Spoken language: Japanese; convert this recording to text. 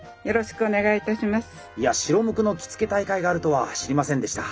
いや白無垢の着付大会があるとは知りませんでした。